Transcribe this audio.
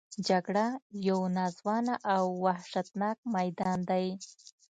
جګړه یو ناځوانه او وحشتناک میدان دی